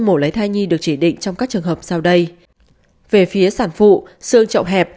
mổ lấy thai nhi được chỉ định trong các trường hợp sau đây về phía sản phụ xương chậu hẹp